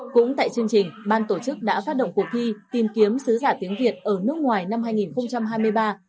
cũng tại chương trình ban tổ chức đã phát động cuộc thi tìm kiếm sứ giả tiếng việt ở nước ngoài năm hai nghìn hai mươi ba